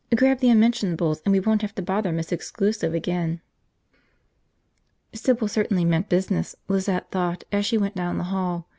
Grab the unmentionables and we won't have to bother Miss Exclusive again." Sybil certainly meant business, Lizette thought as she went down the hall.